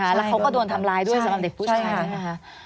ใช่ค่ะแล้วเขาก็โดนทำร้ายด้วยสำหรับเด็กผู้ชายนั่นคะ